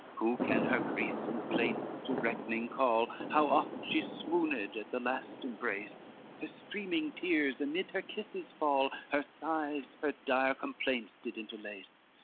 Who can her griefs and plaints to reckoning call, How oft she swooned at the last embrace: Her streaming tears amid her kisses fall, Her sighs, her dire complaints did interlace?